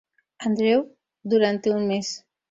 Andrew" durante un mes.